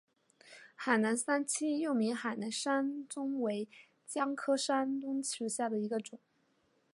海南三七又名海南山柰为姜科山柰属下的一个种。